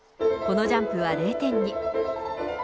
このジャンプは０点に。